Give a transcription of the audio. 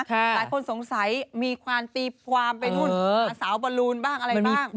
หลายคนสงสัยมีความตีความไปนู่นหาสาวบอลลูนบ้างอะไรบ้าง